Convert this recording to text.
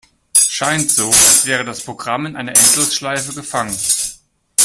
Scheint so, als wäre das Programm in einer Endlosschleife gefangen.